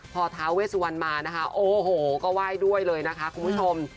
พอท้าเวสวันมานะคะโอ้โหก็ไหว้ด้วยเลยนะคะคุณผู้ชม